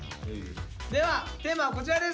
ではテーマはこちらです。